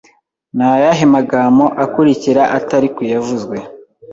Ni ayahe magamo akurikira atari kuyavuzwe